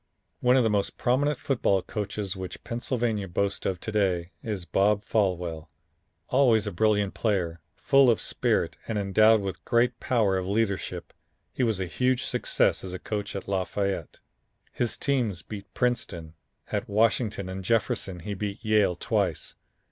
One of the most prominent football coaches which Pennsylvania boasts of to day, is Bob Folwell. Always a brilliant player, full of spirit and endowed with a great power of leadership, he was a huge success as a coach at Lafayette. His team beat Princeton. At Washington and Jefferson, he beat Yale twice.